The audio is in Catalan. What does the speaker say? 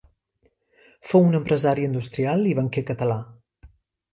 Fou un empresari industrial i banquer català.